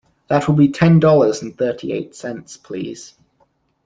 That will be ten dollars and thirty-eight cents please.